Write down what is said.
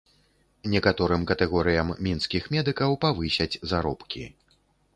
Некаторым катэгорыям мінскіх медыкаў павысяць заробкі.